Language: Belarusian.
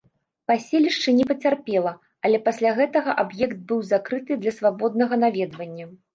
Паселішча не пацярпела, але пасля гэтага аб'ект быў закрыты для свабоднага наведвання.